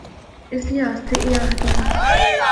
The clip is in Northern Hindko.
اسی آسطے اے آخدے ہن۔